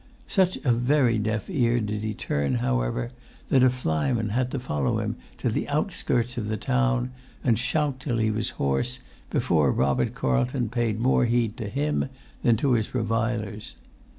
Such a very deaf ear did he turn, however, that a flyman had to follow him to the outskirts of the town, and shout till he was hoarse, before Robert Carlton paid more heed to him than to his revilers.